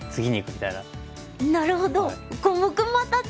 なるほど！